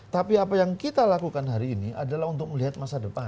tapi apa yang kita lakukan hari ini adalah untuk melihat masa depan